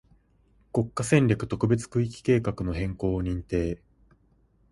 国家戦略特別区域計画の変更を認定